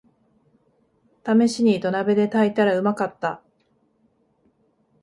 ためしに土鍋で炊いたらうまかった